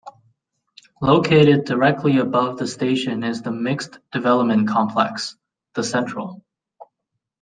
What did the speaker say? Located directly above the station is the mixed development complex, The Central.